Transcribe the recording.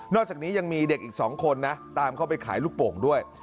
อกจากนี้ยังมีเด็กอีก๒คนนะตามเข้าไปขายลูกโป่งด้วย